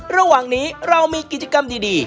ระหว่างนี้เรามีกิจกรรมดี